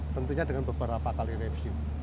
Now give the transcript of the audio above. tentunya dengan beberapa kali review